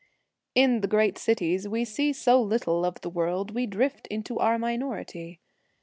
In the great cities we see so little of the world, we drift into our minority.